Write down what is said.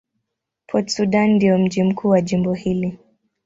Port Sudan ndio mji mkuu wa jimbo hili.